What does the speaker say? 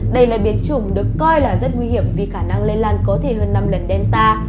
đây là biến chủng được coi là rất nguy hiểm vì khả năng lây lan có thể hơn năm lần đen ta